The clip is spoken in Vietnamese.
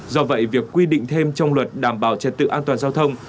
do vậy việc quy định thêm trong luật đảm bảo trật tự an toàn giao thông